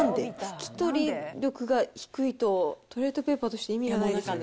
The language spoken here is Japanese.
拭き取り力が低いと、トイレットペーパーとして意味がないですね。